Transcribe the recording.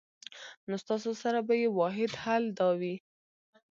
نو ستاسو سره به ئې واحد حل دا وي